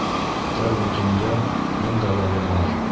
Тәүге төндә бында ла ярар.